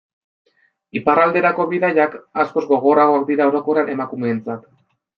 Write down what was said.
Iparralderako bidaiak askoz gogorragoak dira orokorrean emakumeentzat.